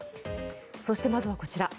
そして、まずはこちら。